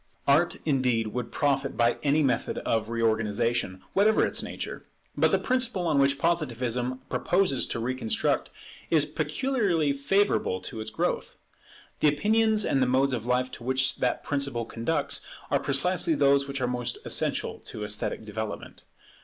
Art, indeed, would profit by any method of reorganization, whatever its nature. But the principle on which Positivism proposes to reconstruct is peculiarly favourable to its growth. The opinions and the modes of life to which that principle conducts are precisely those which are most essential to esthetic development.